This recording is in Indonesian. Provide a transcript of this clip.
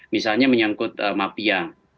misalnya menyangkut mafia